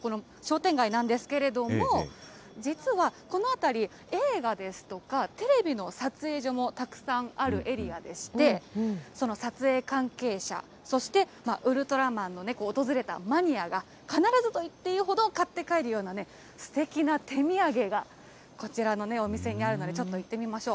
さあ、続いては、ウルトラマンだらけのこの商店街なんですけれども、実はこの辺り、映画ですとか、テレビの撮影所もたくさんあるエリアでして、その撮影関係者、そしてウルトラマンの訪れたマニアが必ずといっていいほど買って帰るような、すてきな手土産がこちらのお店にあるので、ちょっと行ってみましょう。